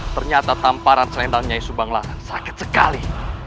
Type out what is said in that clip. terjata tamparan selendangnya isu bangla sakit sekali